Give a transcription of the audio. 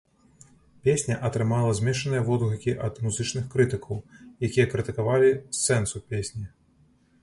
Песня атрымала змешаныя водгукі ад музычных крытыкаў, якія крытыкавалі сэнсу песні.